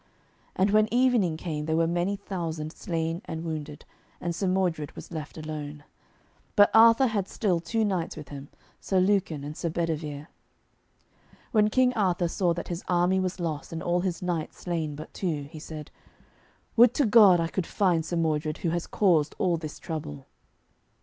And when evening came there were many thousand slain and wounded, and Sir Modred was left alone. But Arthur had still two knights with him, Sir Lucan and Sir Bedivere. When King Arthur saw that his army was lost and all his knights slain but two, he said, 'Would to God I could find Sir Modred, who has caused all this trouble.'